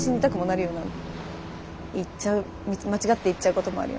いっちゃう間違っていっちゃうこともあるよね。